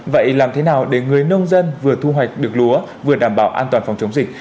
vậy làm thế nào để người nông dân vừa thu hoạch được lúa vừa đảm bảo an toàn phòng chống dịch